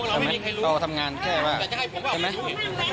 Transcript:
ใช่ไหมเอาทำงานแค่ว่าใช่ไหม